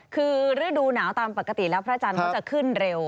คือฤดูหนาวตามปกติแล้วพระจันทร์ก็จะขึ้นเร็ว